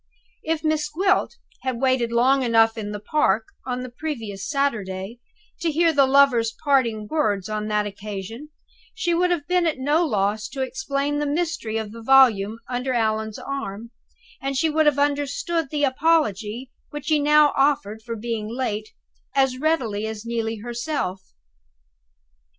If Miss Gwilt had waited long enough in the park, on the previous Saturday, to hear the lovers' parting words on that occasion, she would have been at no loss to explain the mystery of the volume under Allan's arm, and she would have understood the apology which he now offered for being late as readily as Neelie herself.